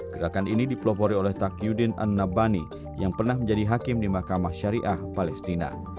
gerakan ini dipelopori oleh takyudin an nabani yang pernah menjadi hakim di mahkamah syariah palestina